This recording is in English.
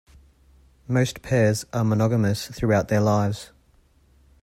Most pairs are monogamous throughout their lives.